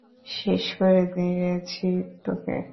শেষ করে দিয়েছি তোকে!